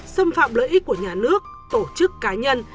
xâm phạm lợi ích của nhà nước tổ chức cá nhân